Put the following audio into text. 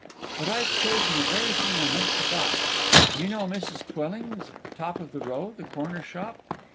But I've chosen the very thing I mean to buy. You know Mrs. Twilling's, at the top of the Row, the corner shop?